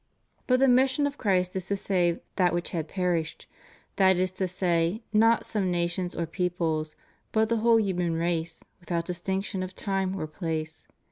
But the mission of Christ is to save that which had 'perished; that is to say, not some nations or peoples, but the whole human race, without distinction of time or place.